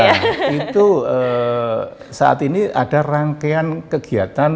nah itu saat ini ada rangkaian kegiatan